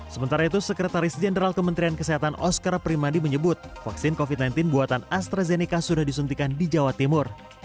sementara itu sekretaris jenderal kementerian kesehatan osker primadi menyebut vaksin covid sembilan belas buatan astrazeneca sudah disuntikan di jawa timur